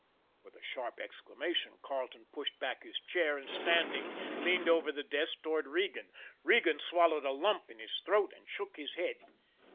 With a sharp exclamation, Carleton pushed back his chair, and, standing, leaned over the desk toward Regan. Regan swallowed a lump in his throat and shook his head.